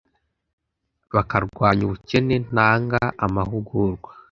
bakarwanya ubukene ntanga amahugurwa.